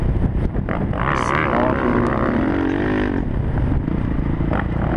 سئماغی اومید